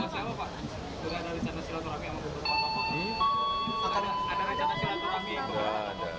sudah ada masalah kami sama siapa pak